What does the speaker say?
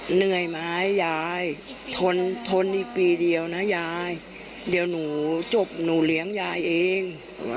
เหนื่อยไหมยายทนทนอีกปีเดียวนะยายเดี๋ยวหนูจบหนูเลี้ยงยายเอง